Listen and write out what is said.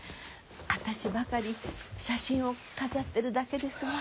形ばかり写真を飾ってるだけですが。